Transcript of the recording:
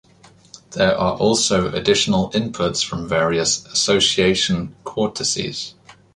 There are also additional inputs from various association cortices.